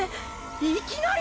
いきなり！？